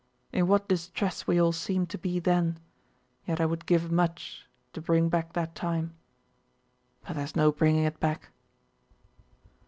In what distress we all seemed to be then, yet I would give much to bring back that time... but there's no bringing it back."